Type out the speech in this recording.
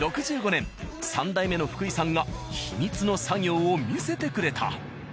６５年３代目の福井さんが秘密の作業を見せてくれた。